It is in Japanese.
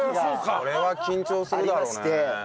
それは緊張するだろうね。